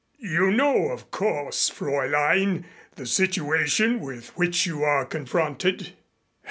"You know, of course, Fräulein, the situation with which you are confronted.